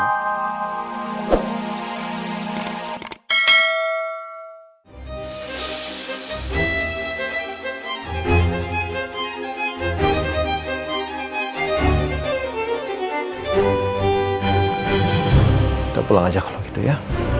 udah pulang aja kalau gitu ya